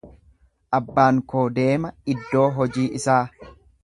Abbaan koo deema iddoo hojii isaa.